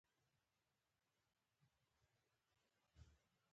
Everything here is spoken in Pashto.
امنیتي پېښې د جمهوریت د دور نه زیاتې دي او کمې نه دي.